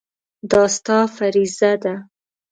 دا ستا فریضه ده.